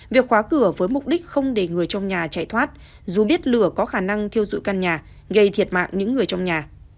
việc khóa cửa với mục đích không để người trong nhà chạy thoát dù biết lửa có khả năng thiêu dụi căn nhà gây thiệt mạng những người trong nhà